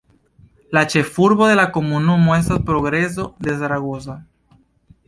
La ĉefurbo de la komunumo estas Progreso de Zaragoza.